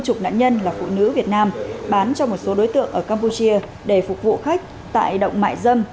chục nạn nhân là phụ nữ việt nam bán cho một số đối tượng ở campuchia để phục vụ khách tại động mại dâm